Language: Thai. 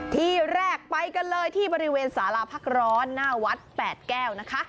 ที่แรกไปกันเลยที่บริเวณสาราพักร้อนหน้าวัดแปดแก้วนะคะ